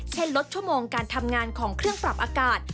เช่นลดชั่วโมงการทำงานของเครื่องปรับอากาศ